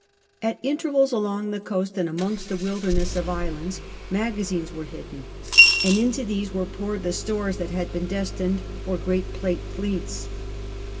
At intervals along the coast and amongst the wilderness of islands magazines were hidden, and into these were poured the stores that had been destined for great Plate fleets.